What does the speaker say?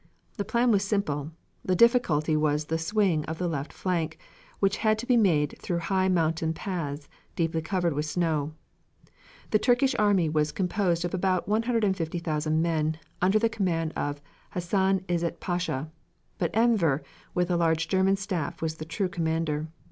The plan was simple, the difficulty was the swing of the left flank, which had to be made through mountain paths, deeply covered with snow. The Turkish army was composed of about 150,000 men under the command of Hassan Izzet Pasha, but Enver, with a large German staff was the true commander.